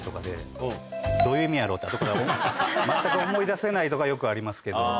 後から全く思い出せないとかよくありますけど。